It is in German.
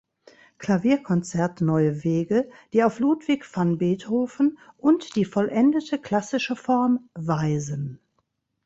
Klavierkonzert neue Wege, die auf Ludwig van Beethoven und die vollendete klassische Form weisen.